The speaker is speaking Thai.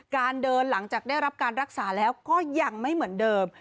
การเดินหลังจากได้รับการรักษาแล้วก็ยังไม่เหมือนเดิม